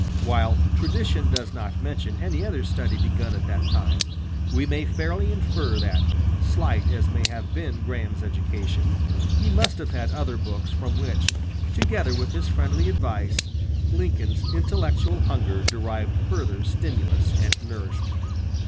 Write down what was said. While tradition does not mention any other study begun at that time, we may fairly infer that, slight as may have been Graham's education, he must have had other books from which, together with his friendly advice, Lincoln's intellectual hunger derived further stimulus and nourishment.